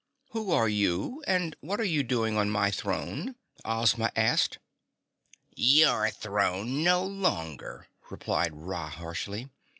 "Who are you, and what are you doing on my throne?" Ozma asked. "Your throne no longer!" replied Ra harshly.